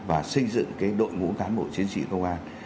và xây dựng cái đội ngũ cán bộ chiến sĩ công an